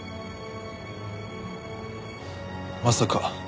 まさか。